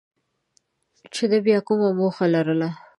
چې ده بیا کومه موخه لرله.